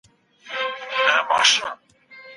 حضرت عائشة رضي الله عنها پوښتنه ځني وکړه.